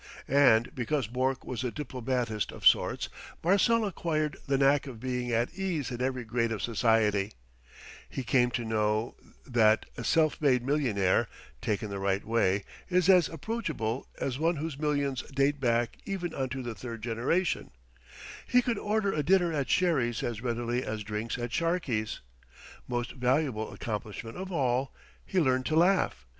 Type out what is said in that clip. And because Bourke was a diplomatist of sorts, Marcel acquired the knack of being at ease in every grade of society: he came to know that a self made millionaire, taken the right way, is as approachable as one whose millions date back even unto the third generation; he could order a dinner at Sherry's as readily as drinks at Sharkey's. Most valuable accomplishment of all, he learned to laugh.